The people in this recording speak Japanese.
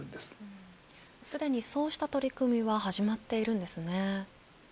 すでにそうした取り組みは始まっているんですね。